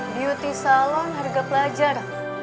beauty salon harga pelajar